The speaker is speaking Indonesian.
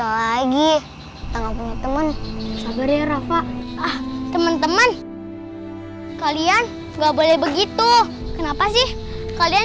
lagi tanggapannya teman sabar ya rafa ah teman teman kalian nggak boleh begitu kenapa sih kalian